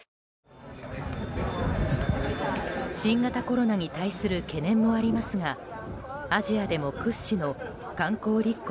新型コロナに対する懸念もありますがアジアでも屈指の観光立国